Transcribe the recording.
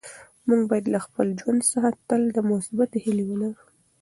موږ باید له خپل ژوند څخه تل مثبتې هیلې ولرو.